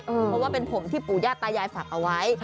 เพราะว่าเป็นผมที่ปู่ย่าตายายฝากเอาไว้